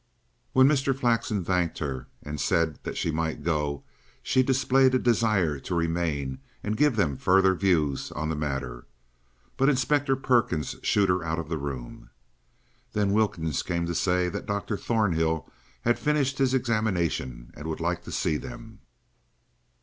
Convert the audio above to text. When Mr. Flexen thanked her and said that she might go, she displayed a desire to remain and give them her further views on the matter. But Inspector Perkins shooed her out of the room. Then Wilkins came to say that Dr. Thornhill had finished his examination and would like to see them.